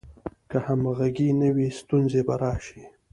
که همغږي نه وي، ستونزې به راشي.